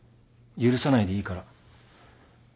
許さないでいいから。